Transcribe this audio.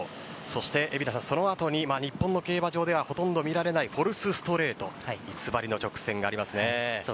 そして、その後に日本の競馬場ではほとんど見られないフォルスストレート偽りの直線があります。